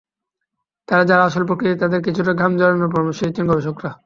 তাই যাঁরা অলস প্রকৃতির, তাঁদের কিছুটা ঘাম ঝরানোর পরামর্শ দিচ্ছেন গবেষকেরা।